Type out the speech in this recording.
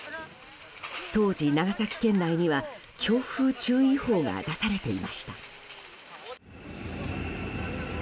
当時、長崎県内には強風注意報が出されていました。